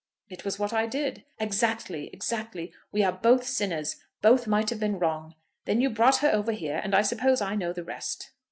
"It was what I did." "Exactly; exactly. We are both sinners. Both might have been wrong. Then you brought her over here, and I suppose I know the rest?"